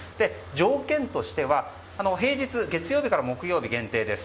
条件としては平日、月曜日から木曜日限定です。